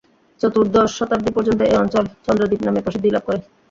চতুর্দশ শতাব্দী পর্যন্ত এ অঞ্চল চন্দ্রদ্বীপ নামে প্রসিদ্ধি লাভ করে।